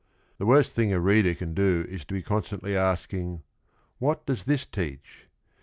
The worst thing a reader can do is to be constantly asking "What does this teach?"